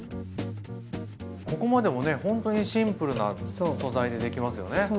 ここまでもねほんとにシンプルな素材でできますよね。